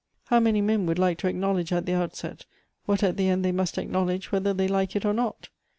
How many men would like to acknowledge at the outset, what at the end they must acknowledge whether they like it or . not